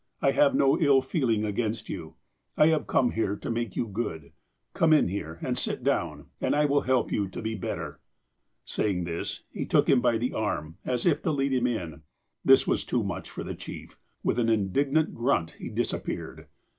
I have no ill feeling against you. I have come here to make you good. Come in here, and sit down, and I will help you to be better." Saying this, he took him by the arm, as if to lead him in. This was too much for the chief. With an indig nant grunt, he disappeared.